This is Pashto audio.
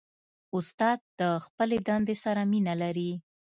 استاد د خپلې دندې سره مینه لري.